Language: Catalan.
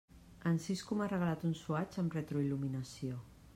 En Sisco m'ha regalat un Swatch amb retroil·luminació.